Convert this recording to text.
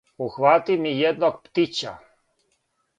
Ухвати му једног птића,